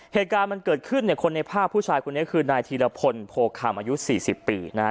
เหตุการณ์มันเกิดขึ้นเนี่ยคนในภาพผู้ชายคนนี้คือนายธีรพลโพคำอายุ๔๐ปีนะฮะ